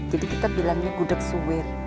jadi kita bilangnya gudeg suwir